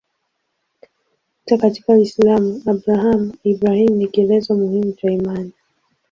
Hata katika Uislamu Abrahamu-Ibrahimu ni kielelezo muhimu cha imani.